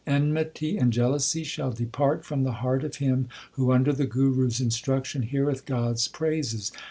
Enmity and jealousy shall depart from the heart of him Who under the Guru s instruction heareth God s praises.